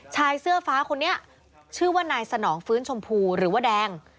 ชายเสื้อฟ้าคนนี้ชื่อว่านายสนองฟื้นชมพูหรือว่าแดง